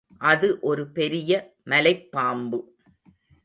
அது ஒரு பெரிய மலைப்பாம்பு.